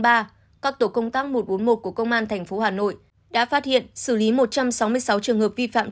các tổ công tác một trăm bốn mươi một của công an tp hà nội đã phát hiện xử lý một trăm sáu mươi sáu trường hợp vi phạm